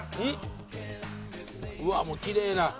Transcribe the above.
うわっもうきれいな。